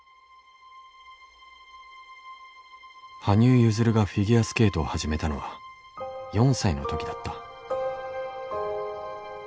羽生結弦がフィギュアスケートを始めたのは４歳の時だった。